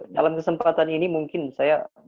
dalam kesempatan ini mungkin saya